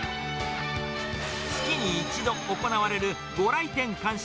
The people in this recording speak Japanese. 月に１度行われるご来店感謝